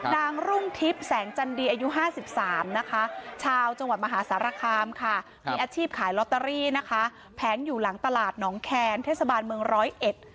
ดังร่วงทริปแสงจันดีอายุ๕๓ชาวจังหวัดมหาศาสนรรคามมีอาชีพขายลอตเตอรี่แพ้งอยู่หลังตลาดนองแคนเทศบาลมร้อยเอ็ด